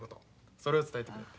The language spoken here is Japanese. それを伝えてくれって。